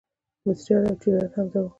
مصریان او چینیان هم دا وکړل.